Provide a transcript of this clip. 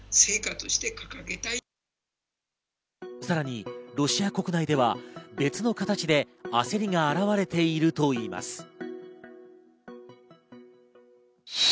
さらにロシア国内では別の形で焦りが現れているといいます。